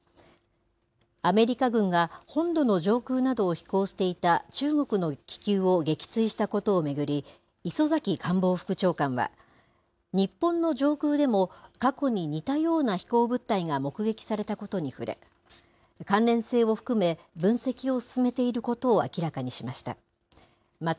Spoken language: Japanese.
アメリカ軍が本土の上空などを飛行していた中国の気球を撃墜したことを巡り、磯崎官房副長官は、日本の上空でも、過去に似たような飛行物体が目撃されたことに触れ、関連性を含め、分析を進めていることを明らかにしました。